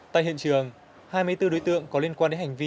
tại hiện trường hai mươi bốn đối tượng có liên quan đến hành vi